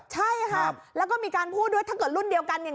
ใช่ค่ะแล้วก็มีการพูดด้วยถ้าเกิดรุ่นเดียวกันเนี่ย